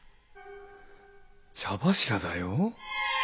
茶柱だよ。